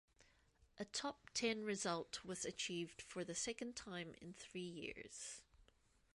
A top ten result was achieved for the second time in three years.